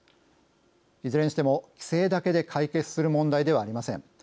いずれにしても規制だけで解決する問題ではありません。